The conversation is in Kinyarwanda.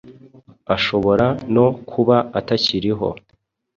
ashobora no kuba atakiriho